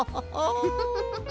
フフフフ。